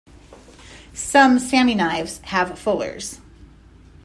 Some "Sami knives" have fullers.